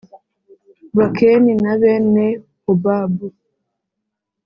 Bakeni na bene Hobabu